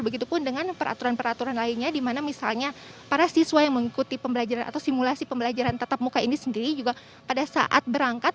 begitupun dengan peraturan peraturan lainnya di mana misalnya para siswa yang mengikuti pembelajaran atau simulasi pembelajaran tetap muka ini sendiri juga pada saat berangkat